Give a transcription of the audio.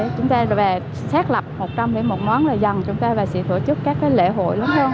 chúng ta đã xác lập một trăm linh một món là dần chúng ta sẽ tổ chức các lễ hội lắm hơn